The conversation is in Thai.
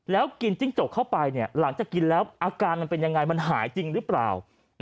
แล้วกินจิ้งจกเข้าไปหลังจากกินแล้วอาการมันเป็นยังไงมันหายจริงหรือเปล่า